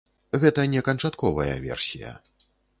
Гэта не канчатковая версія.